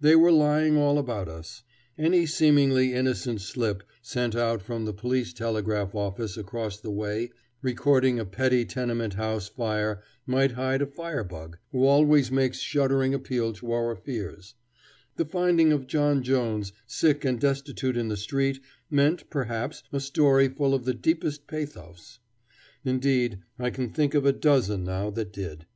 They were lying all about us. Any seemingly innocent slip sent out from the police telegraph office across the way recording a petty tenement house fire might hide a fire bug, who always makes shuddering appeal to our fears; the finding of John Jones sick and destitute in the street meant, perhaps, a story full of the deepest pathos. Indeed, I can think of a dozen now that did.